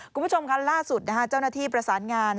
คุณผู้ชมคันล่าสุดเจ้าหน้าที่ประสานงาน